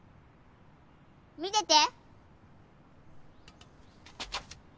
見てて！